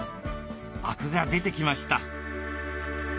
アクが出てきました。